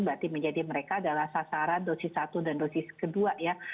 berarti menjadi mereka adalah sasaran dosis satu dan dosis kedua ya